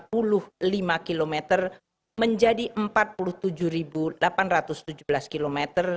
pemerintah akan fokus untuk melanjutkan pembangunan infrastruktur prioritas